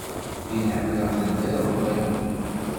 Tin ḥemmleɣ tedda iḍelli.